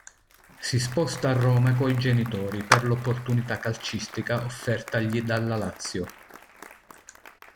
Si sposta a Roma coi genitori per l'opportunità calcistica offertagli dalla Lazio.